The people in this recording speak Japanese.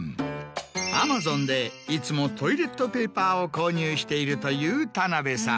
Ａｍａｚｏｎでいつもトイレットペーパーを購入しているという田辺さん。